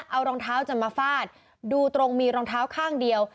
เอารองเท้าจะมาฟาดดูตรงมีรองเท้าข้างเดียว